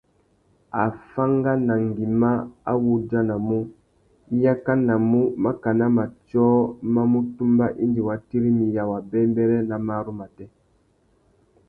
Afánganangüima a wú udjanamú, i yakanamú makana matiō mà mù tumba indi wa tirimiya wabêbêrê nà marru matê.